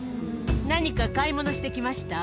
何か買い物してきました？